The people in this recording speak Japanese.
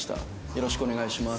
よろしくお願いします。